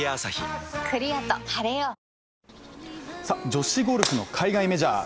女子ゴルフの海外メジャー。